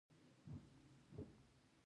د اصطلاحاتو هنري اغېز په شعر کې د مطالعې وړ دی